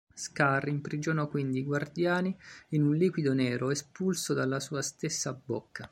Scar imprigionò quindi i Guardiani in un liquido nero espulso dalla sua stessa bocca.